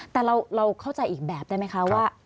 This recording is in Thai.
แต่เราเข้าใจอีกแบบได้ไหมคะว่า